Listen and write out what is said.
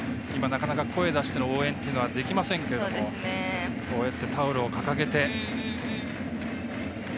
なかなか声を出しての応援っていうのができませんけどこうやって、タオルを掲げて。